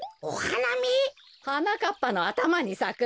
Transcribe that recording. はなかっぱのあたまにさくんだよ。